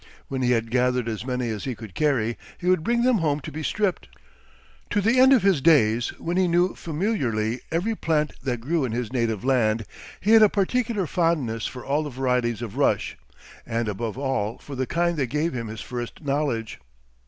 When he had gathered as many as he could carry he would bring them home to be stripped. To the end of his days, when he knew familiarly every plant that grew in his native land, he had a particular fondness for all the varieties of rush, and above all for the kind that gave him his first knowledge.